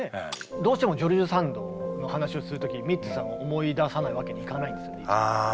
どうしてもジョルジュ・サンドの話をする時にミッツさんを思い出さないわけにはいかないんですよね。